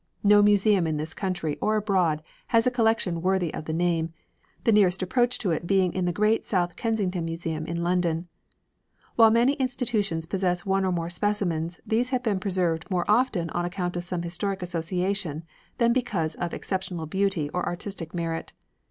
No museum in this country or abroad has a collection worthy of the name, the nearest approach to it being in the great South Kensington Museum in London. While many institutions possess one or more specimens, these have been preserved more often on account of some historic association than because of exceptional beauty or artistic merit.